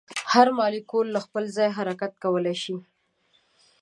هر مالیکول له خپل ځایه حرکت کولی شي.